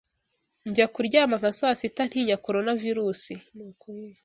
Njya kuryama nka saa sita ntinya Coronavirusi.